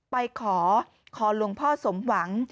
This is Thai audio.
ไปขอขอหลวงพ่อสมหวัง